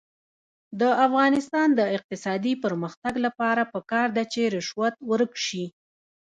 د افغانستان د اقتصادي پرمختګ لپاره پکار ده چې رشوت ورک شي.